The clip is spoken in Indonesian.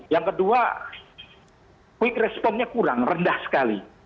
yang kedua quick responnya kurang rendah sekali